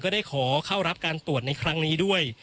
ได้ขอเข้ารับการตรวจในครั้งนี้ด้วย